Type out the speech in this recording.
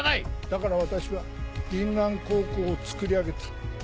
だから私は銀杏高校をつくり上げた。